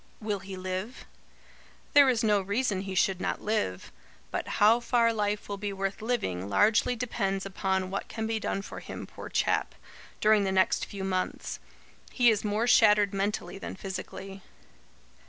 '" "Will he live?" "There is no reason he should not live. But how far life will be worth living, largely depends upon what can be done for him, poor chap, during the next few months. He is more shattered mentally than physically."